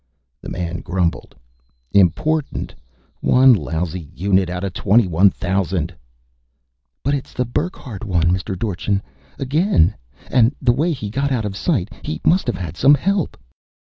The man grumbled, "Important! One lousy unit out of twenty one thousand." "But it's the Burckhardt one, Mr. Dorchin. Again. And the way he got out of sight, he must have had some help."